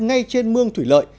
ngay trên mương thủy lợi